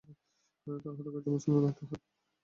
তার হাতে কয়েকজন মুসলমান আহত হয়।